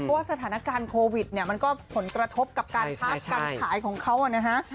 ว่าสถานการณ์โควิดเนี่ยมันก็ผลกระทบกับการพักการขายของเขานะฮะ